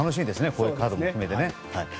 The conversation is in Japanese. こういうカード含めて。